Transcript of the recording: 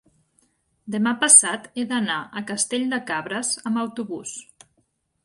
Demà passat he d'anar a Castell de Cabres amb autobús.